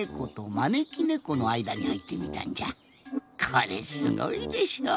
これすごいでしょ。